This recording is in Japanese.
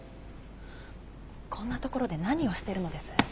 こんな所で何をしてるのです？